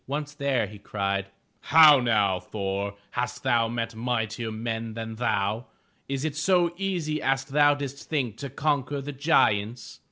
Once there, he cried: "How now, Thor, hast thou met mightier men than thou? Is it so easy as thou didst think to conquer the giants?"